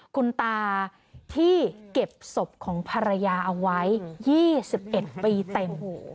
คุณตาที่เก็บศพของภรรยาเอาไว้๒๑ปีเต็ม